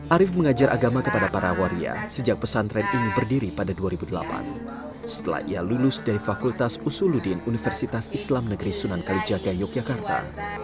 arief mengajar agama kepada para waria sejak pesantren ini berdiri pada dua ribu delapan setelah ia lulus dari fakultas usuludin universitas islam negeri sunan kalijaga yogyakarta